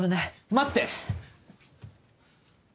待って！